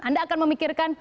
anda akan memikirkan